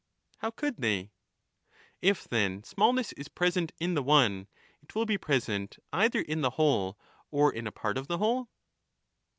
How could they ? 150 If, then, smallness is present in the one it will be present either in the whole or in a part of the whole